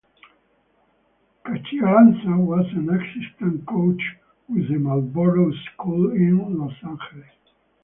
Caccialanza was an assistant coach with the Marlborough School in Los Angeles.